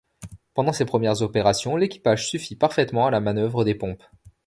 Pendant ces premières opérations, l’équipage suffit parfaitement à la manœuvre des pompes.